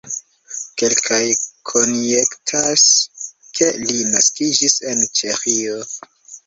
Kelkaj konjektas, ke li naskiĝis en Ĉeĥio.